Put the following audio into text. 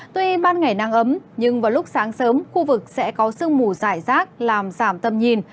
tuy ban ngày nắng ấm nhưng vào lúc sáng sớm khu vực sẽ có sương mù dài rác làm giảm tâm nhìn